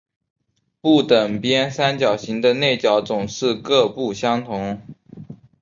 不等边三角形的内角总是各不相同。